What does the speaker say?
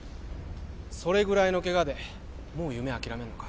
それぐらいのケガでもう夢諦めんのか